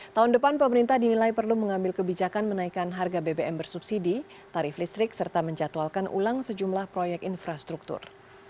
tahun depan pemerintah dinilai perlu mengambil kebijakan menaikan harga bbm bersubsidi tarif listrik serta menjatuhalkan ulang sejumlah proyek infrastruktur